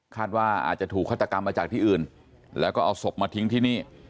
ว่าอาจจะถูกฆาตกรรมมาจากที่อื่นแล้วก็เอาศพมาทิ้งที่นี่